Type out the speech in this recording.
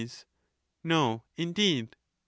No, indeed. Str.